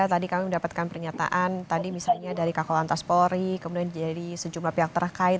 tadi kami mendapatkan pernyataan tadi misalnya dari kakolanta spolri kemudian jadi sejumlah pihak terkait